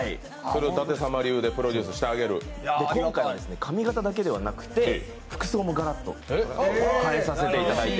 今回は、髪形だけではなくて服装もガラッと変えさせていただいて。